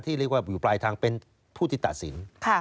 เรียกว่าอยู่ปลายทางเป็นผู้ที่ตัดสิน